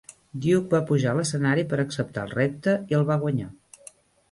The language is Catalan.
Duke va pujar a l'escenari per acceptar el repte i el va guanyar.